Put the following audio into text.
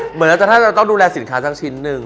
เหมือนถ้าจะต้องดูแลสินค้าสักชิ้นหนึ่ง